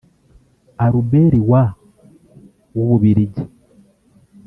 Albert wa w’Ububiligi